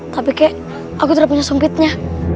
tapi kek aku tidak punya sumpitnya